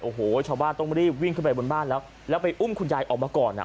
โอ้โหชาวบ้านต้องรีบวิ่งขึ้นไปบนบ้านแล้วแล้วไปอุ้มคุณยายออกมาก่อนอ่ะ